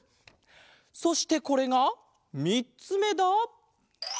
そしてこれがみっつめだ。